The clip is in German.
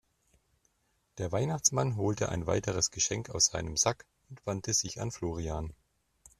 Der Weihnachtsmann holte ein weiteres Geschenk aus seinem Sack und wandte sich an Florian.